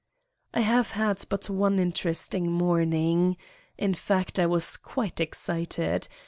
I have had but one interesting morning. In fact I was quite excited.